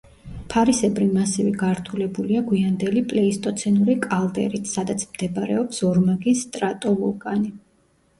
ფარისებრი მასივი გართულებულია გვიანდელი პლეისტოცენური კალდერით, სადაც მდებარეობს ორმაგი სტრატოვულკანი.